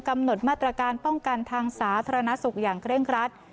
กำหนดมาตรการป้องกันทางสาธารณสุขอย่างเคร่งครัด